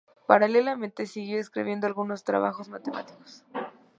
Paralelamente, siguió escribiendo algunos trabajos matemáticos.